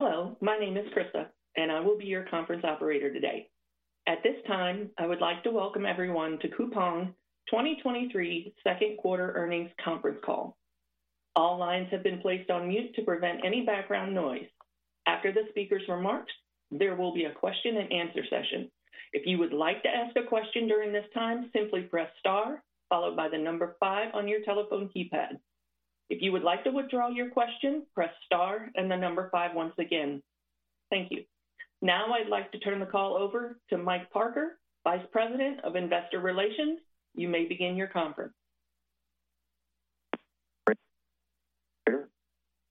Hello, my name is Krista, and I will be your conference operator today. At this time, I would like to welcome everyone to Coupang 2023 second quarter earnings conference call. All lines have been placed on mute to prevent any background noise. After the speaker's remarks, there will be a question and answer session. If you would like to ask a question during this time, simply press star followed by five on your telephone keypad. If you would like to withdraw your question, press star and five once again. Thank you. Now I'd like to turn the call over to Mike Parker, Vice President of Investor Relations. You may begin your conference.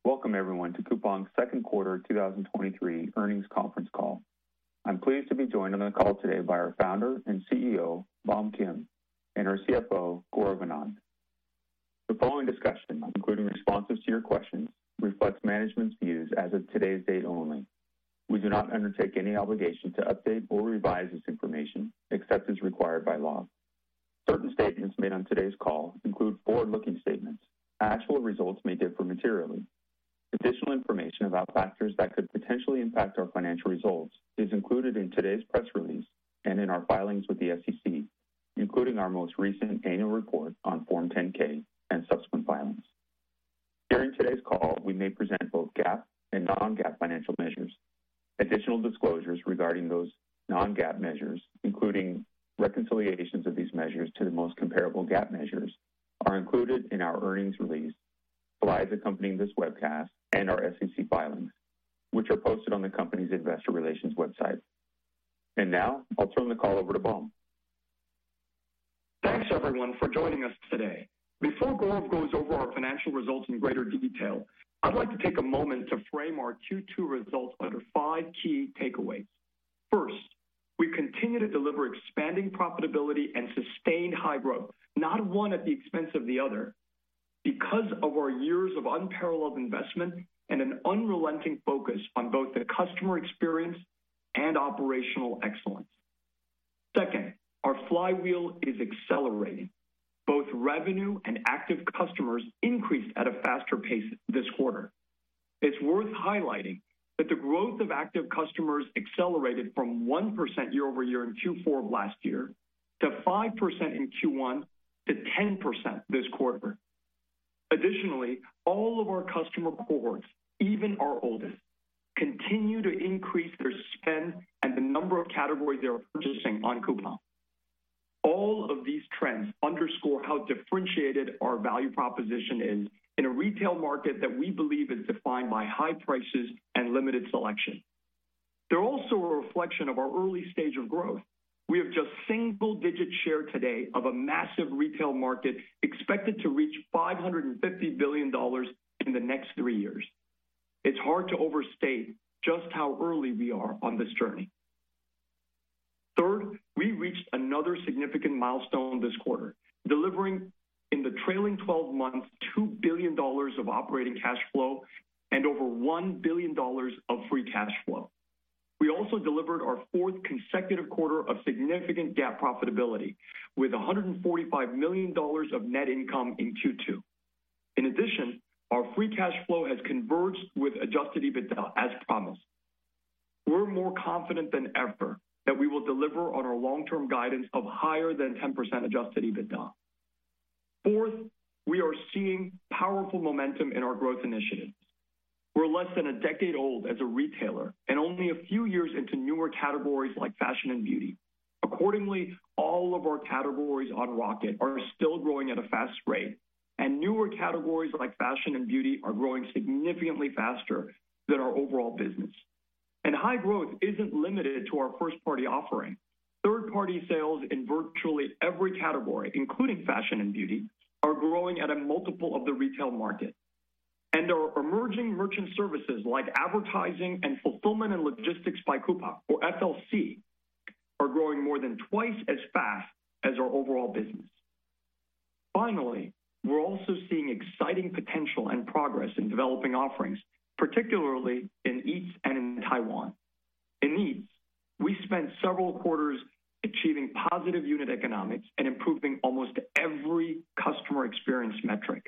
Welcome everyone, to Coupang's second quarter 2023 earnings conference call. I'm pleased to be joined on the call today by our founder and CEO, Bom Kim, and our CFO, Gaurav Anand. The following discussion, including responses to your questions, reflects management's views as of today's date only. We do not undertake any obligation to update or revise this information except as required by law. Certain statements made on today's call include forward-looking statements. Actual results may differ materially. Additional information about factors that could potentially impact our financial results is included in today's press release and in our filings with the SEC, including our most recent annual report on Form 10-K and subsequent filings. During today's call, we may present both GAAP and non-GAAP financial measures. Additional disclosures regarding those non-GAAP measures, including reconciliations of these measures to the most comparable GAAP measures, are included in our earnings release, slides accompanying this webcast, and our SEC filings, which are posted on the company's Investor Relations website. Now I'll turn the call over to Bom. Thanks, everyone, for joining us today. Before Gaurav goes over our financial results in greater detail, I'd like to take a moment to frame our Q2 results under five key takeaways. First, we continue to deliver expanding profitability and sustained high growth, not one at the expense of the other, because of our years of unparalleled investment and an unrelenting focus on both the customer experience and operational excellence. Second, our flywheel is accelerating. Both revenue and active customers increased at a faster pace this quarter. It's worth highlighting that the growth of active customers accelerated from 1% year-over-year in Q4 of last year to 5% in Q1 to 10% this quarter. Additionally, all of our customer cohorts, even our oldest, continue to increase their spend and the number of categories they are purchasing on Coupang. All of these trends underscore how differentiated our value proposition is in a retail market that we believe is defined by high prices and limited selection. They're also a reflection of our early stage of growth. We have just single-digit share today of a massive retail market expected to reach $550 billion in the next three years. It's hard to overstate just how early we are on this journey. Third, we reached another significant milestone this quarter, delivering in the trailing 12 months, $2 billion of operating cash flow and over $1 billion of free cash flow. We also delivered our fourth consecutive quarter of significant GAAP profitability, with $145 million of net income in Q2. In addition, our free cash flow has converged with adjusted EBITDA as promised. We're more confident than ever that we will deliver on our long-term guidance of higher than 10% adjusted EBITDA. Fourth, we are seeing powerful momentum in our growth initiatives. We're less than a decade old as a retailer and only a few years into newer categories like fashion and beauty. Accordingly, all of our categories on Rocket are still growing at a fast rate, and newer categories like fashion and beauty are growing significantly faster than our overall business. High growth isn't limited to our first-party offering. Third-party sales in virtually every category, including fashion and beauty, are growing at a multiple of the retail market. Our emerging merchant services like advertising and Fulfillment and Logistics by Coupang, or FLC, are growing more than twice as fast as our overall business. Finally, we're also seeing exciting potential and progress in Developing Offerings, particularly in Eats and in Taiwan. In Eats, we spent several quarters achieving positive unit economics and improving almost every customer experience metric.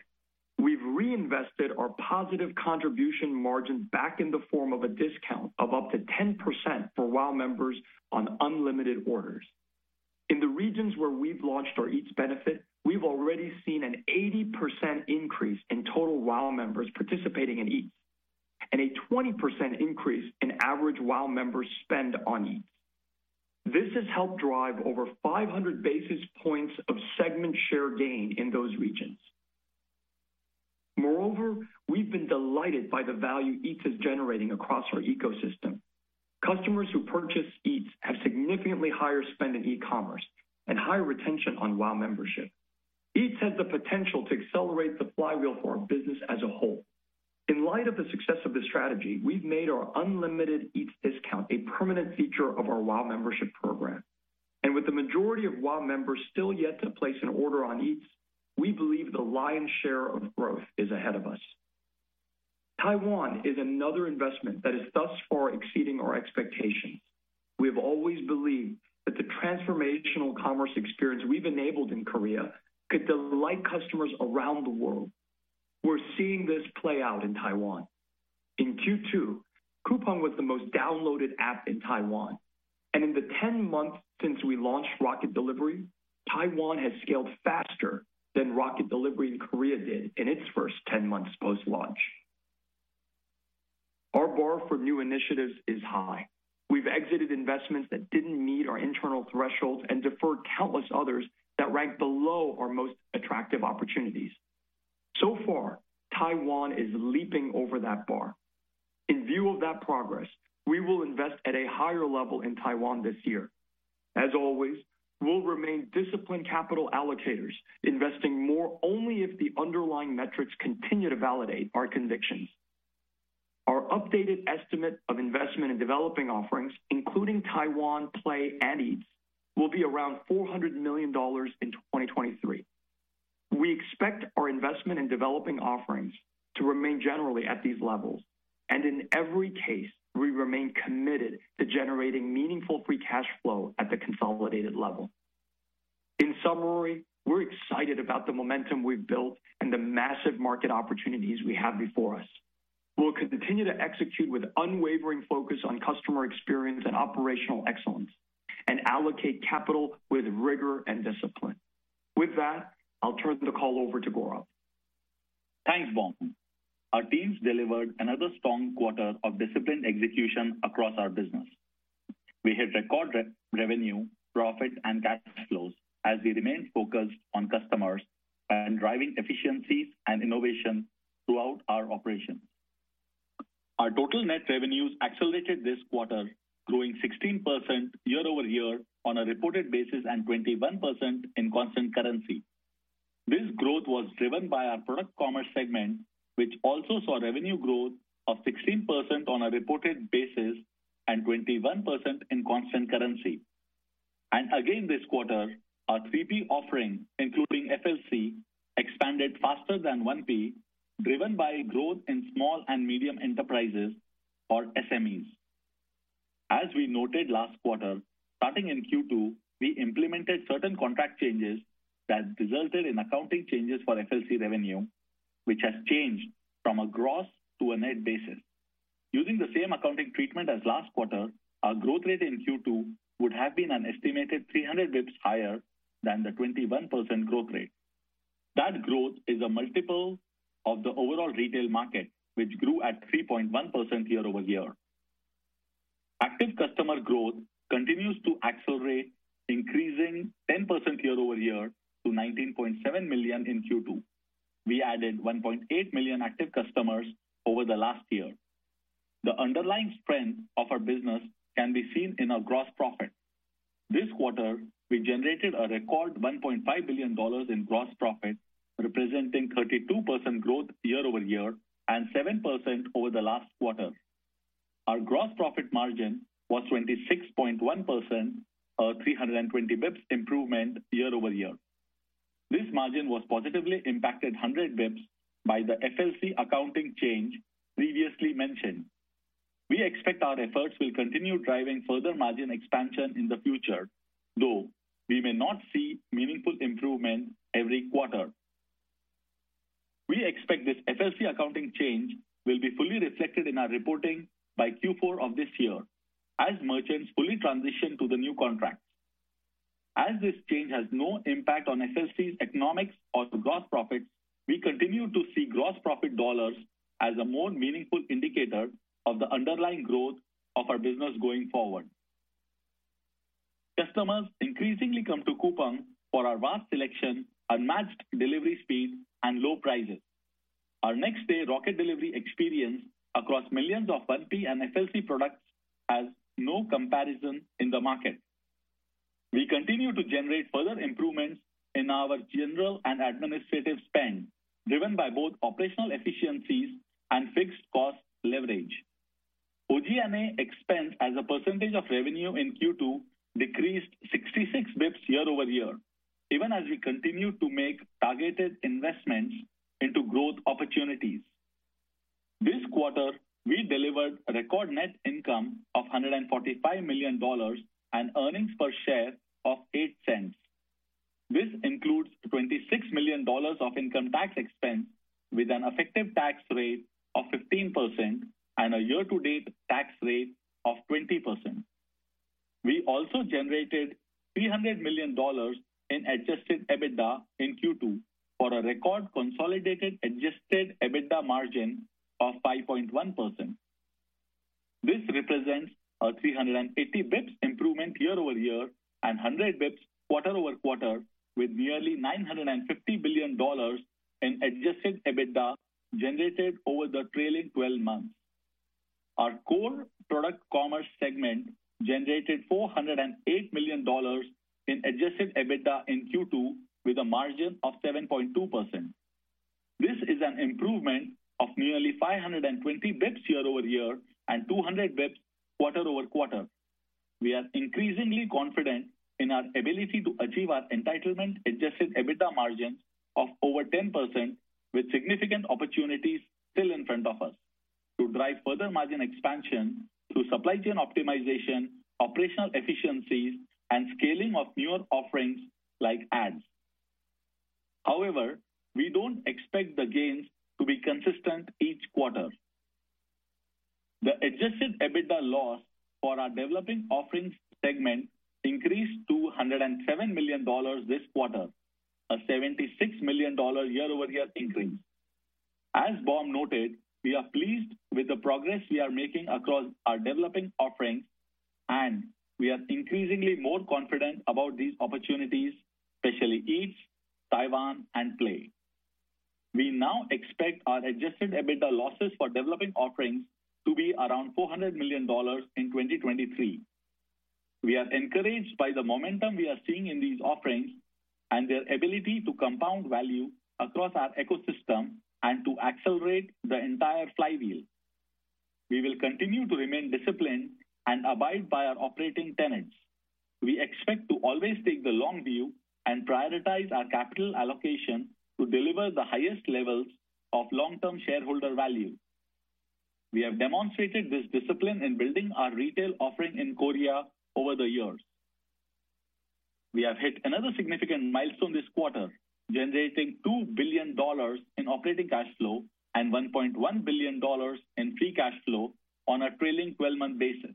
We've reinvested our positive contribution margins back in the form of a discount of up to 10% for WOW members on unlimited orders. In the regions where we've launched our Eats benefit, we've already seen an 80% increase in total WOW members participating in Eats, and a 20% increase in average WOW members spend on Eats. This has helped drive over 500 basis points of segment share gain in those regions. Moreover, we've been delighted by the value Eats is generating across our ecosystem. Customers who purchase Eats have significantly higher spend in e-commerce and higher retention on WOW membership. Eats has the potential to accelerate the flywheel for our business as a whole. In light of the success of this strategy, we've made our unlimited Eats discount a permanent feature of our WOW membership program. With the majority of WOW members still yet to place an order on Eats, we believe the lion's share of growth is ahead of us. Taiwan is another investment that is thus far exceeding our expectations. We have always believed that the transformational commerce experience we've enabled in Korea could delight customers around the world. We're seeing this play out in Taiwan. In Q2, Coupang was the most downloaded app in Taiwan, and in the 10 months since we launched Rocket Delivery, Taiwan has scaled faster than Rocket Delivery in Korea did in its first 10 months post-launch. Our bar for new initiatives is high. We've exited investments that didn't meet our internal thresholds and deferred countless others that ranked below our most attractive opportunities. Far, Taiwan is leaping over that bar. In view of that progress, we will invest at a higher level in Taiwan this year. As always, we'll remain disciplined capital allocators, investing more only if the underlying metrics continue to validate our convictions. Our updated estimate of investment in Developing Offerings, including Taiwan, Play, and Eats, will be around $400 million in 2023. We expect our investment in Developing Offerings to remain generally at these levels, in every case, we remain committed to generating meaningful free cash flow at the consolidated level. In summary, we're excited about the momentum we've built and the massive market opportunities we have before us. We'll continue to execute with unwavering focus on customer experience and operational excellence and allocate capital with rigor and discipline. With that, I'll turn the call over to Gaurav. Thanks, Bom. Our teams delivered another strong quarter of disciplined execution across our business. We hit record revenue, profit, and cash flows as we remained focused on customers and driving efficiencies and innovation throughout our operations. Our total net revenues accelerated this quarter, growing 16% year-over-year on a reported basis and 21% in constant currency. This growth was driven by our Product Commerce segment, which also saw revenue growth of 16% on a reported basis and 21% in constant currency. Again, this quarter, our 3P offering, including FLC, expanded faster than 1P, driven by growth in small and medium enterprises or SMEs. As we noted last quarter, starting in Q2, we implemented certain contract changes that resulted in accounting changes for FLC revenue, which has changed from a gross to a net basis. Using the same accounting treatment as last quarter, our growth rate in Q2 would have been an estimated 300 basis points higher than the 21% growth rate. That growth is a multiple of the overall retail market, which grew at 3.1% year-over-year. Active customer growth continues to accelerate, increasing 10% year-over-year to 19.7 million in Q2. We added 1.8 million active customers over the last year. The underlying strength of our business can be seen in our gross profit. This quarter, we generated a record $1.5 billion in gross profit, representing 32% growth year-over-year and 7% over the last quarter. Our gross profit margin was 26.1%, a 320 basis points improvement year-over-year. This margin was positively impacted 100 basis points by the FLC accounting change previously mentioned. We expect our efforts will continue driving further margin expansion in the future, though we may not see meaningful improvement every quarter. We expect this FLC accounting change will be fully reflected in our reporting by Q4 of this year as merchants fully transition to the new contracts. As this change has no impact on FLC's economics or gross profits, we continue to see gross profit dollars as a more meaningful indicator of the underlying growth of our business going forward. Customers increasingly come to Coupang for our vast selection, unmatched delivery speed, and low prices. Our next-day Rocket Delivery experience across millions of 1P and FLC products has no comparison in the market. We continue to generate further improvements in our general and administrative spend, driven by both operational efficiencies and fixed cost leverage. G&A expense as a percentage of revenue in Q2 decreased 66 basis points year-over-year, even as we continue to make targeted investments into growth opportunities. This quarter, we delivered a record net income of $145 million and earnings per share of $0.08. This includes $26 million of income tax expense with an effective tax rate of 15% and a year-to-date tax rate of 20%. We also generated $300 million in adjusted EBITDA in Q2, for a record consolidated adjusted EBITDA margin of 5.1%. This represents a 380 basis points improvement year-over-year and 100 basis points quarter-over-quarter, with nearly $950 billion in adjusted EBITDA generated over the trailing 12 months. Our core Product Commerce segment generated $408 million in adjusted EBITDA in Q2, with a margin of 7.2%. This is an improvement of nearly 520 basis points year-over-year and 200 basis points quarter-over-quarter. We are increasingly confident in our ability to achieve our entitlement adjusted EBITDA margin of over 10%, with significant opportunities still in front of us to drive further margin expansion through supply chain optimization, operational efficiencies, and scaling of newer offerings like Ads. We don't expect the gains to be consistent each quarter. The adjusted EBITDA loss for our Developing Offerings segment increased to $107 million this quarter, a $76 million year-over-year increase. As Bom noted, we are pleased with the progress we are making across our developing offerings, and we are increasingly more confident about these opportunities, especially Eats, Taiwan, and Play. We now expect our adjusted EBITDA losses for developing offerings to be around $400 million in 2023. We are encouraged by the momentum we are seeing in these offerings and their ability to compound value across our ecosystem and to accelerate the entire flywheel. We will continue to remain disciplined and abide by our operating tenets. We expect to always take the long view and prioritize our capital allocation to deliver the highest levels of long-term shareholder value. We have demonstrated this discipline in building our retail offering in Korea over the years. We have hit another significant milestone this quarter, generating $2 billion in operating cash flow and $1.1 billion in free cash flow on a trailing 12-month basis.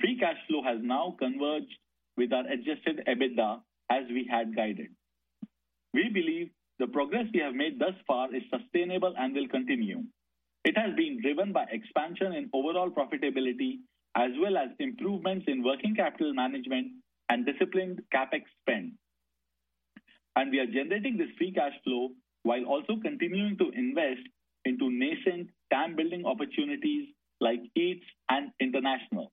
Free cash flow has now converged with our adjusted EBITDA as we had guided. We believe the progress we have made thus far is sustainable and will continue. It has been driven by expansion in overall profitability, as well as improvements in working capital management and disciplined CapEx spend. We are generating this free cash flow while also continuing to invest into nascent TAM-building opportunities like Eats and International.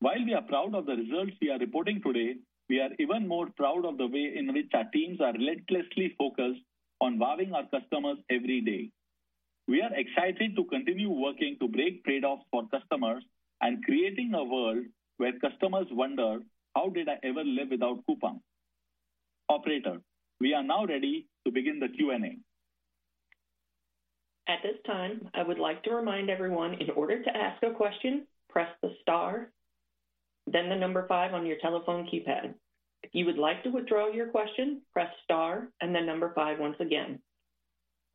While we are proud of the results we are reporting today, we are even more proud of the way in which our teams are relentlessly focused on wowing our customers every day. We are excited to continue working to break trade-offs for customers and creating a world where customers wonder, "How did I ever live without Coupang?" Operator, we are now ready to begin the Q&A. At this time, I would like to remind everyone, in order to ask a question, press the star, then the five on your telephone keypad. If you would like to withdraw your question, press star and then five once again.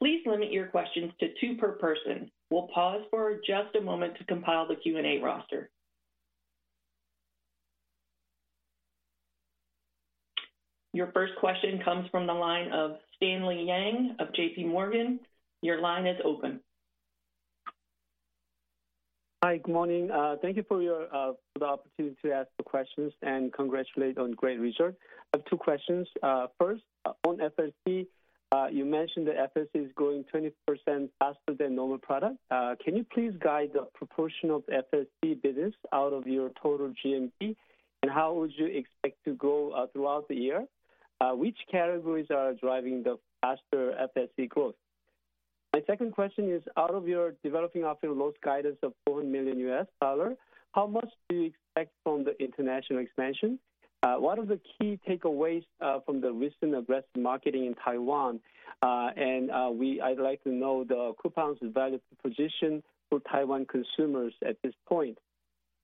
Please limit your questions to two per person. We'll pause for just a moment to compile the Q&A roster. Your first question comes from the line of Stanley Yang of JPMorgan. Your line is open. Hi, good morning. Thank you for your for the opportunity to ask the questions, and congratulate on great results. I have two questions. First, on FLC, you mentioned that FLC is growing 20% faster than normal product. Can you please guide the proportion of FLC business out of your total GMV, and how would you expect to grow throughout the year? Which categories are driving the faster FLC growth? My second question is, out of your Developing Offerings loss guidance of $400 million, how much do you expect from the international expansion? What are the key takeaways from the recent aggressive marketing in Taiwan? I'd like to know the coupons and value position for Taiwan consumers at this point.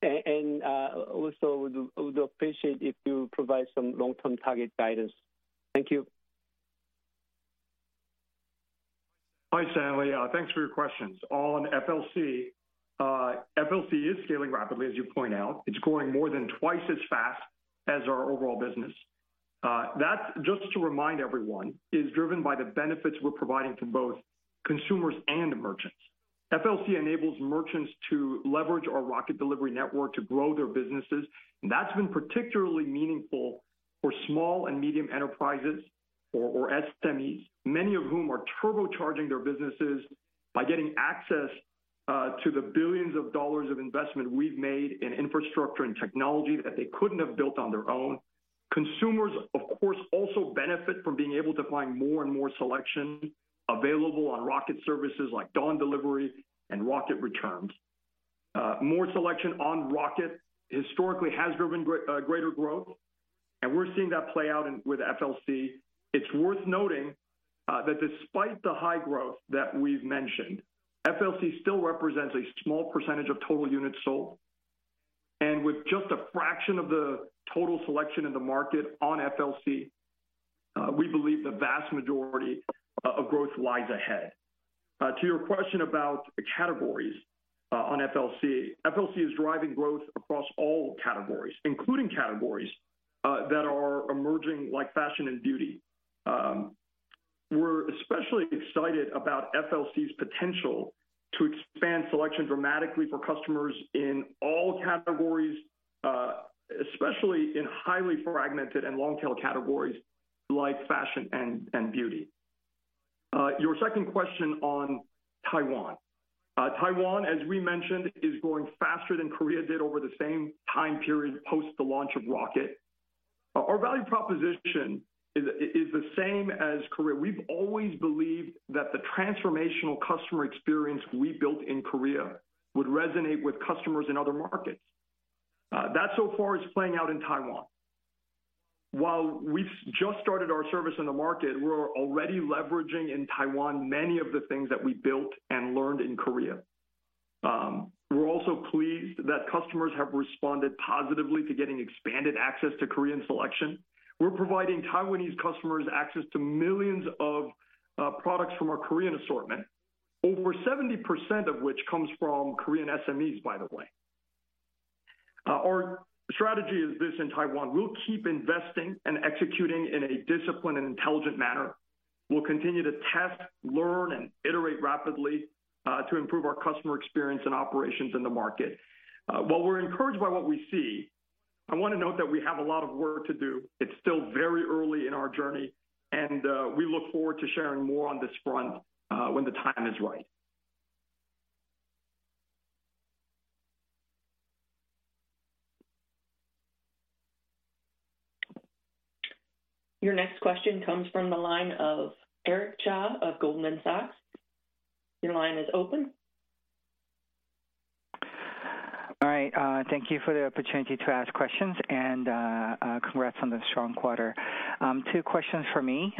Also, would appreciate if you provide some long-term target guidance. Thank you. Hi, Stanley. Thanks for your questions. On FLC, FLC is scaling rapidly, as you point out. It's growing more than twice as fast as our overall business. That, just to remind everyone, is driven by the benefits we're providing to both consumers and merchants. FLC enables merchants to leverage our Rocket Delivery network to grow their businesses, and that's been particularly meaningful for small and medium enterprises or SMEs, many of whom are turbocharging their businesses by getting access to the billions of dollars of investment we've made in infrastructure and technology that they couldn't have built on their own. Consumers, of course, also benefit from being able to find more and more selection available on Rocket services like Dawn Delivery and Rocket Returns. More selection on Rocket historically has driven greater growth, and we're seeing that play out with FLC. It's worth noting that despite the high growth that we've mentioned, FLC still represents a small % of total units sold. With just a fraction of the total selection in the market on FLC, we believe the vast majority of growth lies ahead. To your question about the categories on FLC. FLC is driving growth across all categories, including categories that are emerging, like fashion and beauty. We're especially excited about FLC's potential to expand selection dramatically for customers in all categories, especially in highly fragmented and long-tail categories like fashion and beauty. Your second question on Taiwan. Taiwan, as we mentioned, is growing faster than Korea did over the same time period post the launch of Rocket. Our value proposition is the same as Korea. We've always believed that the transformational customer experience we built in Korea would resonate with customers in other markets. That so far is playing out in Taiwan. While we've just started our service in the market, we're already leveraging in Taiwan many of the things that we built and learned in Korea. We're also pleased that customers have responded positively to getting expanded access to Korean selection. We're providing Taiwanese customers access to millions of products from our Korean assortment, over 70% of which comes from Korean SMEs, by the way. Our strategy is this in Taiwan, we'll keep investing and executing in a disciplined and intelligent manner. We'll continue to test, learn, and iterate rapidly to improve our customer experience and operations in the market. While we're encouraged by what we see, I wanna note that we have a lot of work to do. It's still very early in our journey, and we look forward to sharing more on this front, when the time is right. Your next question comes from the line of Eric Cha of Goldman Sachs. Your line is open. All right, thank you for the opportunity to ask questions, and congrats on the strong quarter. Two questions for me.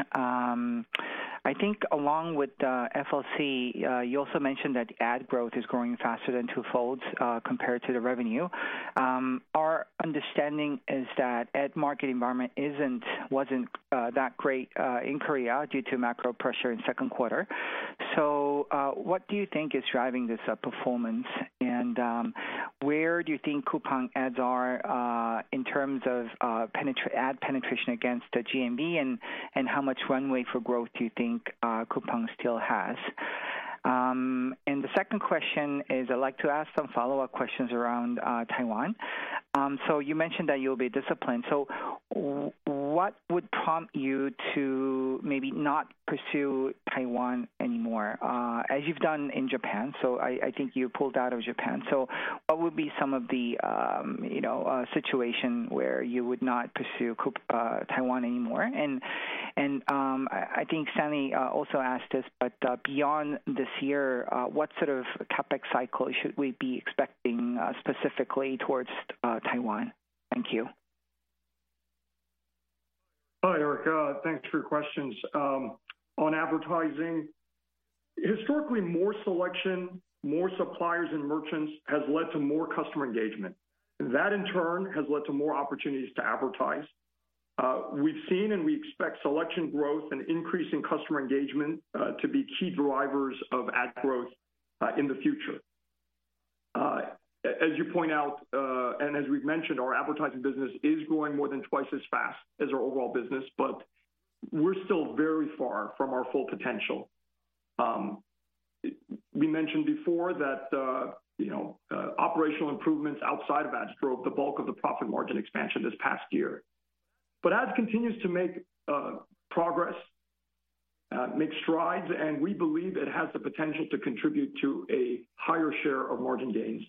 I think along with FLC, you also mentioned that ad growth is growing faster than two-folds compared to the revenue. Our understanding is that ad market environment wasn't that great in Korea due to macro pressure in second quarter. What do you think is driving this performance? Where do you think Coupang Ads are in terms of ad penetration against the GMV, and how much runway for growth do you think Coupang still has? The second question is, I'd like to ask some follow-up questions around Taiwan. You mentioned that you'll be disciplined. What would prompt you to maybe not pursue Taiwan anymore, as you've done in Japan? I think you pulled out of Japan. What would be some of the, you know, situation where you would not pursue Taiwan anymore? I think Sammy also asked this, but beyond this year, what sort of CapEx cycle should we be expecting specifically towards Taiwan? Thank you. Hi, Eric, thanks for your questions. On advertising, historically, more selection, more suppliers and merchants, has led to more customer engagement. That, in turn, has led to more opportunities to advertise. We've seen and we expect selection growth and increase in customer engagement to be key drivers of ad growth in the future. As you point out, and as we've mentioned, our advertising business is growing more than twice as fast as our overall business, but we're still very far from our full potential. We mentioned before that, you know, operational improvements outside of ads drove the bulk of the profit margin expansion this past year. Ads continues to make progress, make strides, and we believe it has the potential to contribute to a higher share of margin gains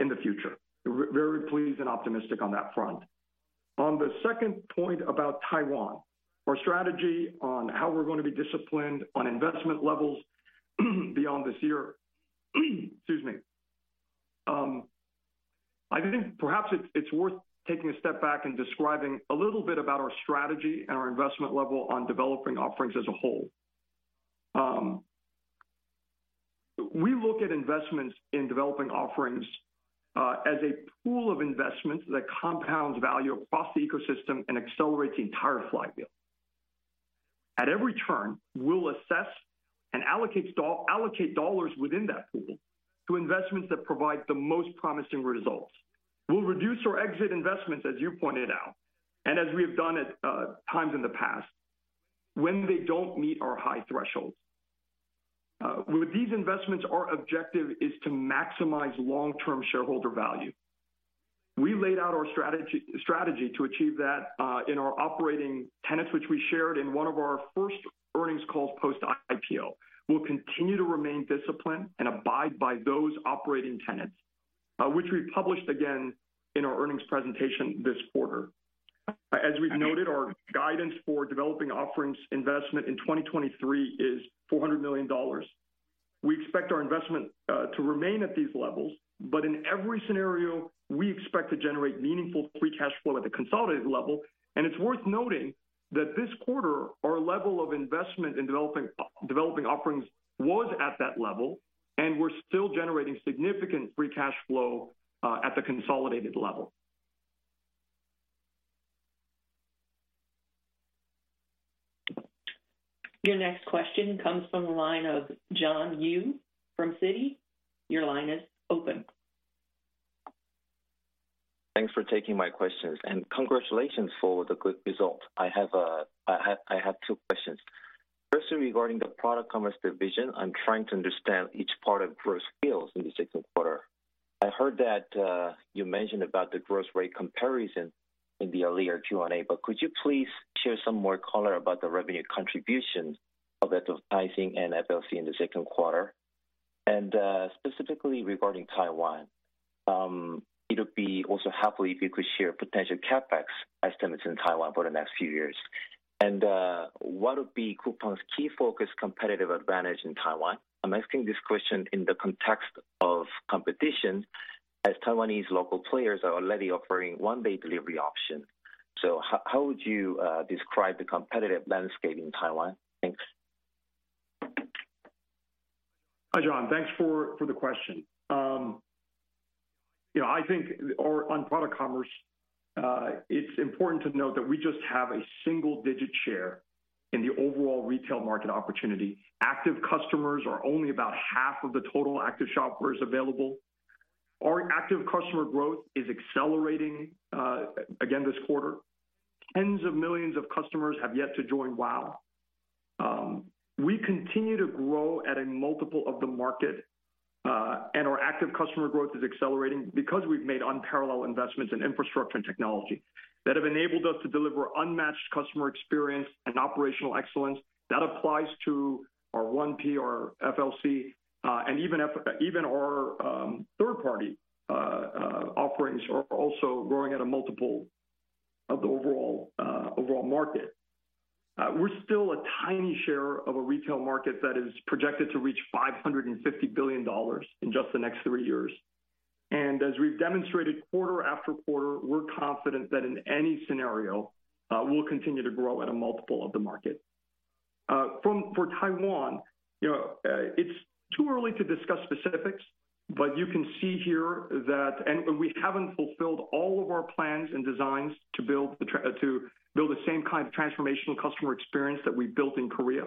in the future. We're very pleased and optimistic on that front. On the second point about Taiwan, our strategy on how we're going to be disciplined on investment levels, beyond this year. Excuse me. I think perhaps it's, it's worth taking a step back and describing a little bit about our strategy and our investment level on Developing Offerings as a whole. We look at investments in Developing Offerings as a pool of investments that compounds value across the ecosystem and accelerates the entire flywheel. At every turn, we'll assess and allocate dollars within that pool to investments that provide the most promising results. We'll reduce or exit investments, as you pointed out, and as we have done at times in the past, when they don't meet our high thresholds. With these investments, our objective is to maximize long-term shareholder value. We laid out our strategy, strategy to achieve that, in our operating tenets, which we shared in one of our first earnings calls post-IPO. We'll continue to remain disciplined and abide by those operating tenets, which we published again in our earnings presentation this quarter. As we've noted, our guidance for Developing Offerings investment in 2023 is $400 million. We expect our investment to remain at these levels, but in every scenario, we expect to generate meaningful free cash flow at the consolidated level. It's worth noting that this quarter, our level of investment in Developing Offerings was at that level, and we're still generating significant free cash flow at the consolidated level. Your next question comes from the line of John Yu from Citigroup. Your line is open. Thanks for taking my questions. Congratulations for the good result. I have two questions. Firstly, regarding the Product Commerce division, I'm trying to understand each part of gross bills in the second quarter. I heard that you mentioned about the gross rate comparison in the earlier Q&A, but could you please share some more color about the revenue contribution of advertising and FLC in the second quarter? Specifically regarding Taiwan, it would be also helpful if you could share potential CapEx estimates in Taiwan for the next few years. What would be Coupang's key focus competitive advantage in Taiwan? I'm asking this question in the context of competition, as Taiwanese local players are already offering one-day delivery option. how, how would you describe the competitive landscape in Taiwan? Thanks. Hi, John. Thanks for the question. you know, I think our on Product Commerce, it's important to note that we just have a single-digit share in the overall retail market opportunity. Active customers are only about half of the total active shoppers available. Our active customer growth is accelerating again this quarter. Tens of millions of customers have yet to join WOW. We continue to grow at a multiple of the market, and our active customer growth is accelerating because we've made unparalleled investments in infrastructure and technology that have enabled us to deliver unmatched customer experience and operational excellence. That applies to our 1P, our FLC, and even our 3P offerings are also growing at a multiple of the overall market. We're still a tiny share of a retail market that is projected to reach $550 billion in just the next three years. As we've demonstrated quarter after quarter, we're confident that in any scenario, we'll continue to grow at a multiple of the market. For Taiwan, you know, it's too early to discuss specifics, but you can see here that... We haven't fulfilled all of our plans and designs to build the same kind of transformational customer experience that we built in Korea,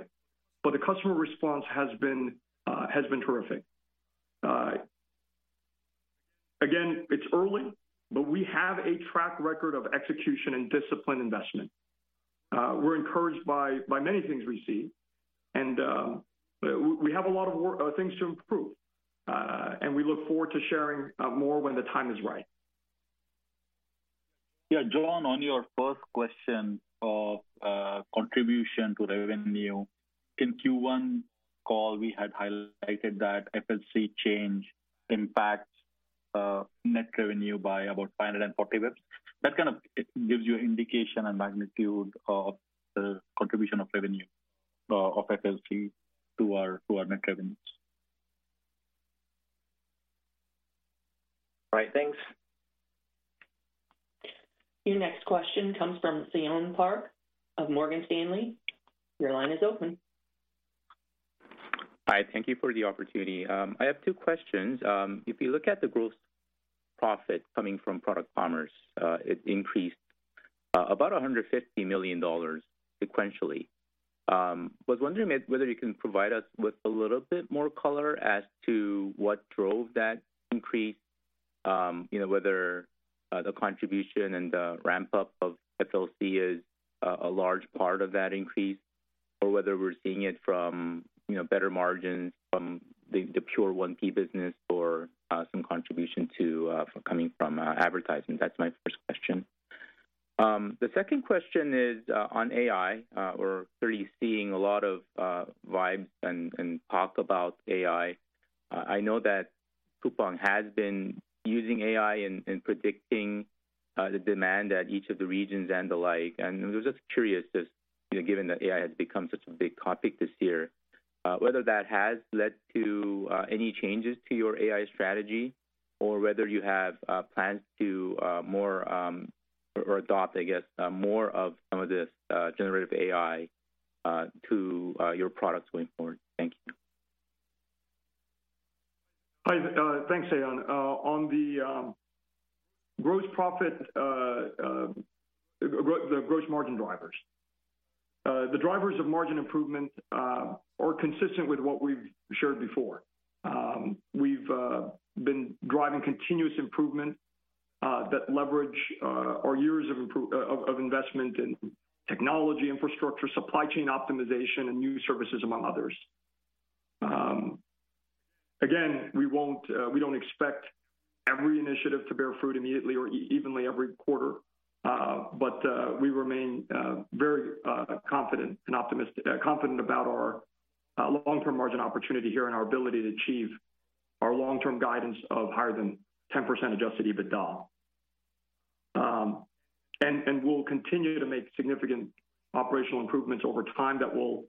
but the customer response has been, has been terrific. Again, it's early, but we have a track record of execution and disciplined investment. We're encouraged by, by many things we see, and we, we have a lot of work, things to improve. We look forward to sharing, more when the time is right. Yeah, John, on your first question of contribution to revenue, in Q1 call, we had highlighted that FLC change impacts net revenue by about 540 basis. That kind of it gives you an indication and magnitude of the contribution of revenue of FLC to our, to our net revenues. All right, thanks. Your next question comes from Seyon Park of Morgan Stanley. Your line is open. Hi, thank you for the opportunity. I have two questions. If you look at the gross profit coming from Product Commerce, it increased about $150 million sequentially. Was wondering if whether you can provide us with a little bit more color as to what drove that increase? You know, whether the contribution and the ramp-up of FLC is a large part of that increase, or whether we're seeing it from, you know, better margins from the pure 1P business or some contribution for coming from advertising. That's my first question. The second question is on AI. We're clearly seeing a lot of vibes and talk about AI. I know that Coupang has been using AI in, in predicting the demand at each of the regions and the like. I was just curious as, you know, given that AI has become such a big topic this year, whether that has led to any changes to your AI strategy or whether you have plans to more, or adopt, I guess, more of some of this generative AI to your products going forward? Thank you. Hi, thanks, Seyon. On the gross profit, the gross margin drivers. The drivers of margin improvement are consistent with what we've shared before. We've been driving continuous improvement that leverage our years of investment in technology, infrastructure, supply chain optimization, and new services, among others. Again, we won't, we don't expect every initiative to bear fruit immediately or evenly every quarter. We remain very confident and confident about our long-term margin opportunity here and our ability to achieve our long-term guidance of higher than 10% adjusted EBITDA. We'll continue to make significant operational improvements over time that will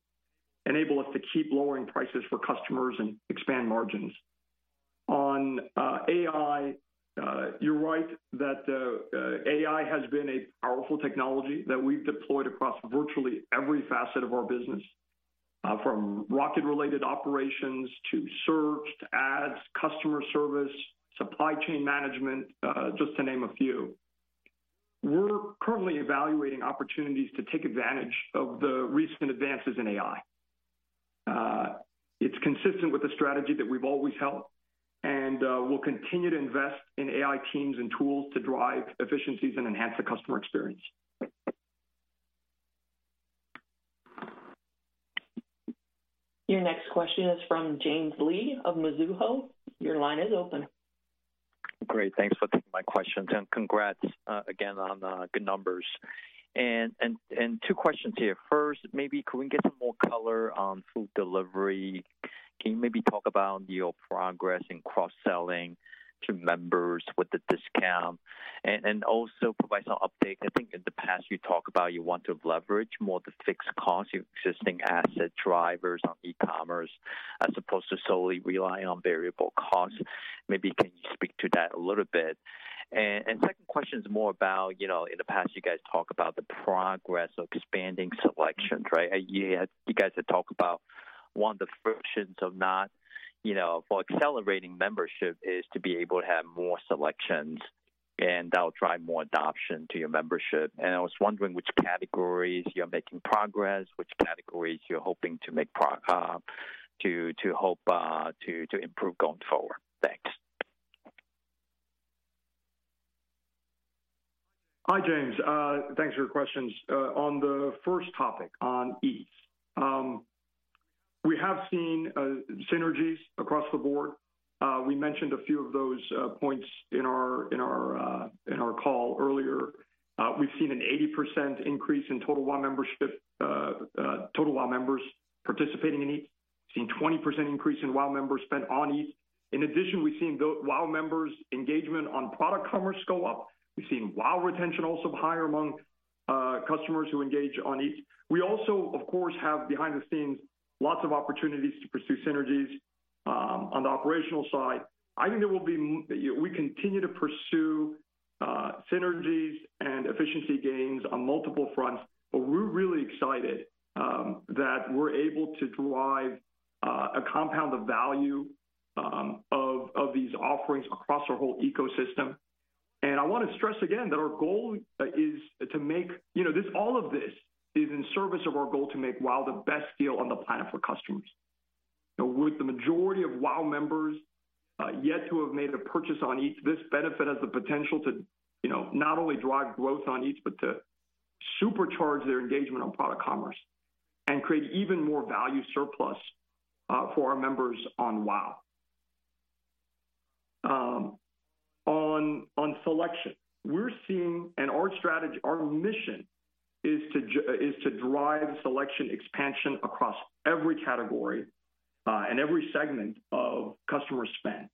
enable us to keep lowering prices for customers and expand margins. On AI, you're right that AI has been a powerful technology that we've deployed across virtually every facet of our business, from Rocket-related operations to search, to Ads, customer service, supply chain management, just to name a few. We're currently evaluating opportunities to take advantage of the recent advances in AI. It's consistent with the strategy that we've always held, and we'll continue to invest in AI teams and tools to drive efficiencies and enhance the customer experience. Your next question is from James Lee of Mizuho. Your line is open. Great, thanks for taking my questions, and congrats, again, on the good numbers. Two questions here. First, maybe could we get some more color on food delivery? Can you maybe talk about your progress in cross-selling to members with the discount? Also provide some update. I think in the past, you talked about you want to leverage more the fixed costs, your existing asset drivers on e-commerce, as opposed to solely relying on variable costs. Maybe can you speak to that a little bit? Second question is more about, in the past, you guys talked about the progress of expanding selection, right? You guys had talked about one of the functions of not for accelerating membership is to be able to have more selections.... That'll drive more adoption to your membership. I was wondering which categories you're making progress, which categories you're hoping to make improve going forward. Thanks. Hi, James. Thanks for your questions. On the first topic, on Eats. We have seen synergies across the board. We mentioned a few of those points in our, in our, in our call earlier. We've seen an 80% increase in total WOW membership, total WOW members participating in Eats. Seen 20% increase in WOW members spend on Eats. In addition, we've seen the WOW members' engagement on Product Commerce go up. We've seen WOW retention also higher among customers who engage on Eats. We also, of course, have, behind the scenes, lots of opportunities to pursue synergies on the operational side. I think we continue to pursue synergies and efficiency gains on multiple fronts, but we're really excited that we're able to drive a compound of value of these offerings across our whole ecosystem. I want to stress again that our goal is to make... You know, this, all of this is in service of our goal to make WOW the best deal on the planet for customers. Now, with the majority of WOW members yet to have made a purchase on Eats, this benefit has the potential to, you know, not only drive growth on Eats, but to supercharge their engagement on Product Commerce and create even more value surplus for our members on WOW. On, on selection, we're seeing, and our strategy, our mission is to drive selection expansion across every category, and every segment of customer spend.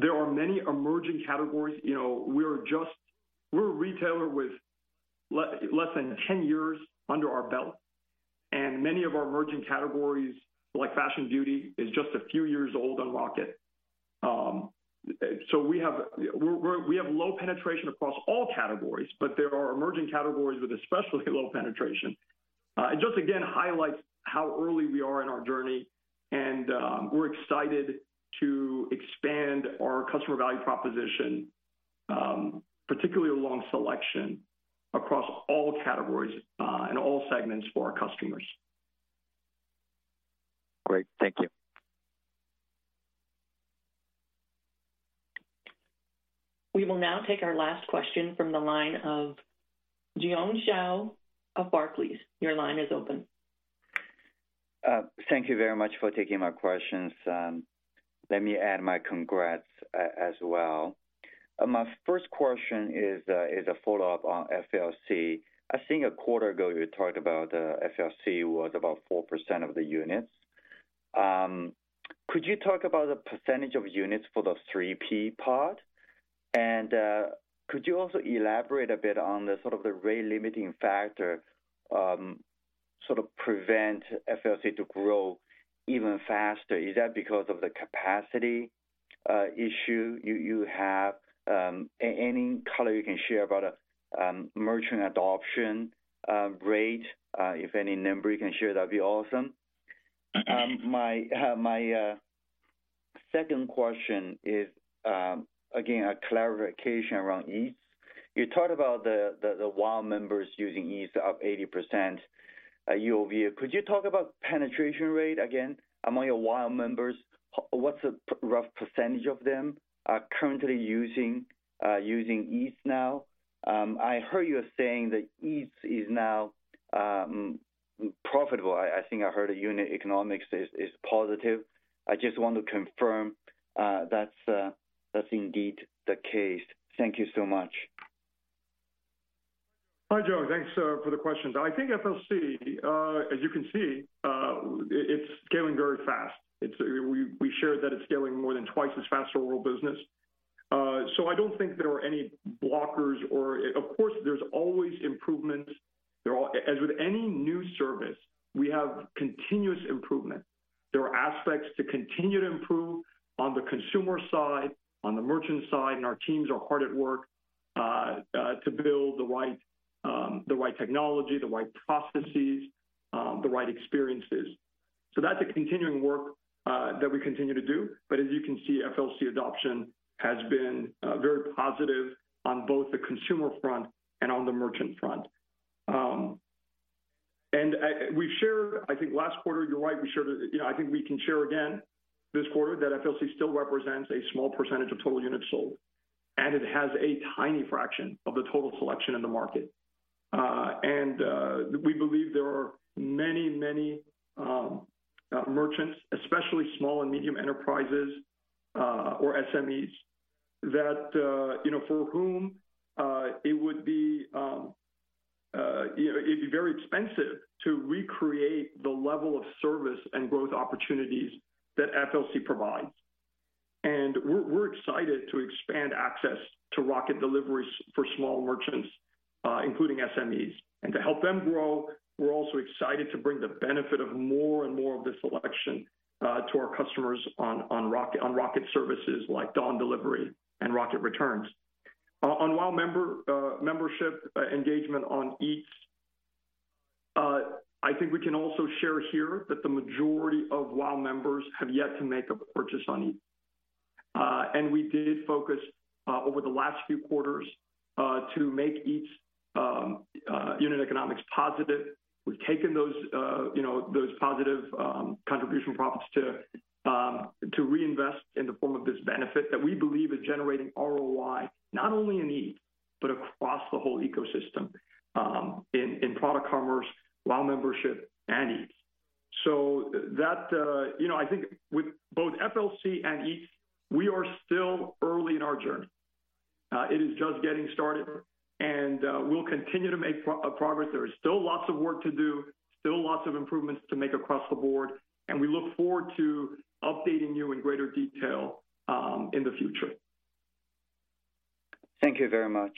There are many emerging categories. You know, we're just, we're a retailer with less than 10 years under our belt, and many of our emerging categories, like fashion and beauty, is just a few years old on Rocket. We have, we have low penetration across all categories, but there are emerging categories with especially low penetration. It just again highlights how early we are in our journey, and we're excited to expand our customer value proposition, particularly along selection, across all categories, and all segments for our customers. Great. Thank you. We will now take our last question from the line of Jiong Shao of Barclays. Your line is open. Thank you very much for taking my questions. Let me add my congrats as well. My first question is a follow-up on FLC. I think a quarter ago, you talked about FLC was about 4% of the units. Could you talk about the percentage of units for the 3P part? Could you also elaborate a bit on the sort of the rate-limiting factor, sort of prevent FLC to grow even faster? Is that because of the capacity issue you have? Any color you can share about merchant adoption rate, if any number you can share, that'd be awesome. Mm-hmm. My second question is, again, a clarification around Eats. You talked about the WOW members using Eats up 80%, year-over-year. Could you talk about penetration rate again among your WOW members? What's the rough percentage of them are currently using Eats now? I heard you are saying that Eats is now profitable. I, I think I heard the unit economics is positive. I just want to confirm that's indeed the case. Thank you so much. Hi, Jiong. Thanks for the questions. I think FLC, as you can see, it's scaling very fast. It's, we, we shared that it's scaling more than twice as fast as our old business. I don't think there are any blockers or, of course, there's always improvements. As with any new service, we have continuous improvement. There are aspects to continue to improve on the consumer side, on the merchant side, and our teams are hard at work to build the right technology, the right processes, the right experiences. That's a continuing work that we continue to do, but as you can see, FLC adoption has been very positive on both the consumer front and on the merchant front. I, we've shared, I think last quarter, you're right, we shared it. You know, I think we can share again this quarter, that FLC still represents a small % of total units sold, and it has a tiny fraction of the total selection in the market. We believe there are many, many merchants, especially small and medium enterprises, or SMEs, that, you know, for whom it'd be very expensive to recreate the level of service and growth opportunities that FLC provides. We're, we're excited to expand access to Rocket deliveries for small merchants, including SMEs. To help them grow, we're also excited to bring the benefit of more and more of the selection to our customers on, on Rocket, on Rocket services like Dawn Delivery and Rocket Returns. On WOW member membership engagement on Eats, I think we can also share here that the majority of WOW members have yet to make a purchase on Eats. We did focus over the last few quarters to make Eats unit economics positive. We've taken those, you know, those positive contribution profits to reinvest in the form of this benefit that we believe is generating ROI, not only in Eats, but across the whole ecosystem, in Product Commerce, WOW membership, and Eats. That, you know, I think with both FLC and Eats, we are still early in our journey. It is just getting started, and we'll continue to make progress. There is still lots of work to do, still lots of improvements to make across the board, and we look forward to updating you in greater detail in the future. Thank you very much.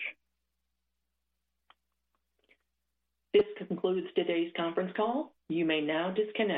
This concludes today's conference call. You may now disconnect.